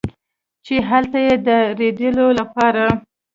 چې هلته ئې د رېډيو دپاره